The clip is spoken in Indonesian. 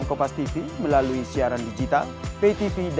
jadi meresahkan juga sih